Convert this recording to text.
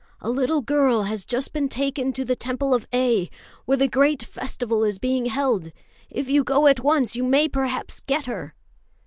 "A little girl has just been taken to the Temple of A., where the great festival is being held. If you go at once you may perhaps get her."